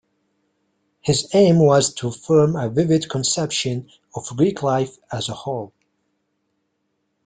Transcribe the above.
His aim was to form a vivid conception of Greek life as a whole.